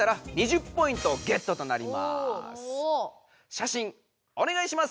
写真おねがいします。